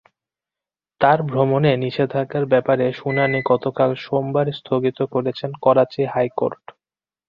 তাঁর ভ্রমণে নিষেধাজ্ঞার ব্যাপারে শুনানি গতকাল সোমবার স্থগিত করেছেন করাচি হাইকোর্ট।